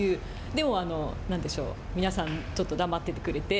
でも何でしょう、皆さんちょっと黙っててくれて。